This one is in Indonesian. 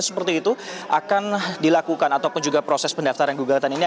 seperti itu akan dilakukan ataupun juga proses pendaftaran gugatan ini